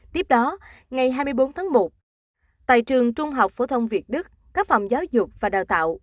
tiếp đó ngày hai mươi bốn tháng một tại trường trung học phổ thông việt đức các phòng giáo dục và đào tạo